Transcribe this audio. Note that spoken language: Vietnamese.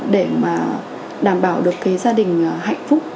để mà đảm bảo được cái gia đình hạnh phúc